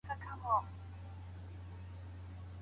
ادبیاتو پوهنځۍ سمدلاسه نه تطبیقیږي.